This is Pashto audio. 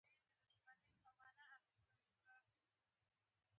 زیات سوقیات پرې نه شوای کېدای چې خطر یې ډېر و.